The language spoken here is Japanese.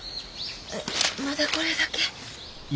まだこれだけ。